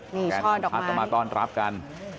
นี่ช่อดอกไม้แกนพักต่อมาต้อนรับกัน